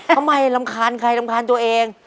รำคาญใครรำคาญตัวเอง